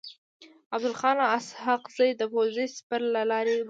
عبدالله خان اسحق زی د پوځ سپه سالار و.